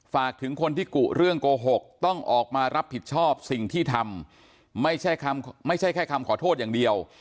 ฝากถึงคนที่กุเรื่องโกหกต้องออกมารับผิดชอบสิ่งที่ทำไม่ใช่คำไม่ใช่แค่คำขอโทษอย่างเดียว